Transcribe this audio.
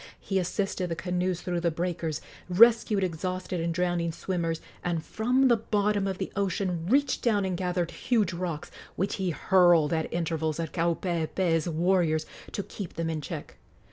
He assisted the canoes through the breakers, rescued exhausted and drowning swimmers, and from the bottom of the ocean reached down and gathered huge rocks, which he hurled at intervals at Kaupeepee's warriors to keep them in check.